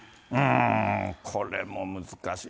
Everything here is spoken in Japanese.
これも難しい。